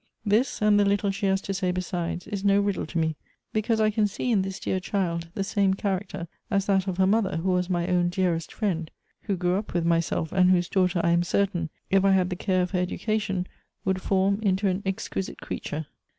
This, and the little she has to say beside, is no riddle to me, because I can see in this dear child the same charac ter as that of her mother, who was my own dearest friend ; who grew up with myself, and whose daughter, I am cer tain, if I had the care of her education, would form into an exquisite creature.